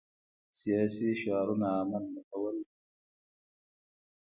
سیاسي شعارونه عمل نه کول دروغ دي.